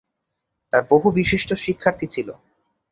তাঁর বহু বিশিষ্ট শিক্ষার্থী ছিল।